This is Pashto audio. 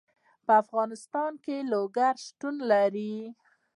په افغانستان کې لوگر شتون لري.